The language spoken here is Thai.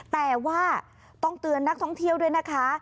แต่ว่าต้องเตือนนักท่องเที่ยวด้วยนะคะ